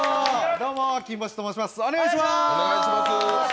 どうも、キンボと申します。